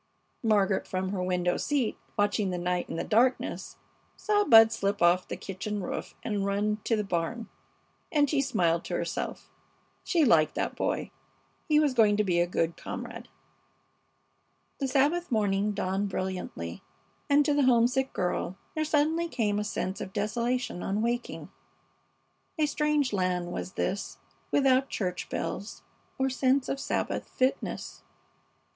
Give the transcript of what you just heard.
Margaret, from her window seat watching the night in the darkness, saw Bud slip off the kitchen roof and run to the barn, and she smiled to herself. She liked that boy. He was going to be a good comrade. The Sabbath morning dawned brilliantly, and to the homesick girl there suddenly came a sense of desolation on waking. A strange land was this, without church bells or sense of Sabbath fitness.